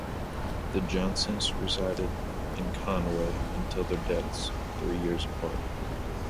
The Johnsons resided in Conway until their deaths, three years apart.